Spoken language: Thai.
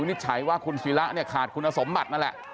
นิจฉัยว่าคุณศิระเนี่ยขาดคุณสมบัตินั่นแหละ